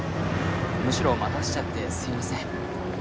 むしろ待たせちゃってすいません